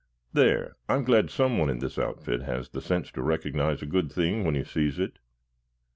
"There, I'm glad someone in this outfit has the sense to recognize a good thing when he sees it.